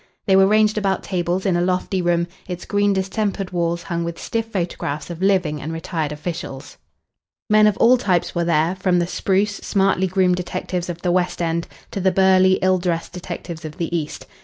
They were ranged about tables in a lofty room, its green distempered walls hung with stiff photographs of living and retired officials. Men of all types were there, from the spruce, smartly groomed detectives of the West End to the burly, ill dressed detectives of the East.